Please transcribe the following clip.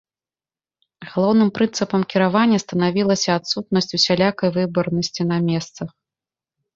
Галоўным прынцыпам кіравання станавілася адсутнасць усялякай выбарнасці на месцах.